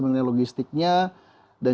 mengenai logistiknya dan